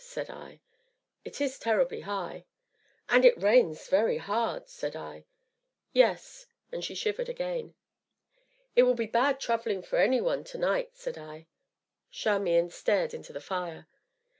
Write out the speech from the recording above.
said I. "It is terribly high." "And it rains very hard!" said I. "Yes," and she shivered again. "It will be bad travelling for any one to night," said I. Charmian stared into the fire.